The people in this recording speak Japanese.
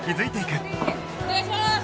お願いします！